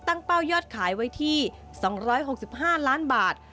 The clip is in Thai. เป้ายอดขายไว้ที่๒๖๕ล้านบาท